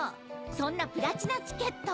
そんなプラチナチケット